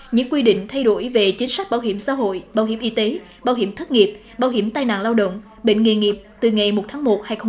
những quy định thay đổi về chính sách bảo hiểm xã hội bảo hiểm y tế bảo hiểm thất nghiệp bảo hiểm tai nạn lao động bệnh nghề nghiệp từ ngày một tháng một hai nghìn hai mươi